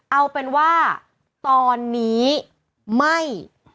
เอาเป็นว่าตอนนี้ไม่